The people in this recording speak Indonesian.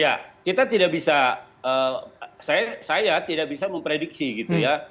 ya kita tidak bisa saya tidak bisa memprediksi gitu ya